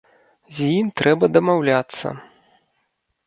З ім трэба дамаўляцца.